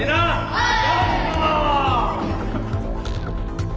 はい！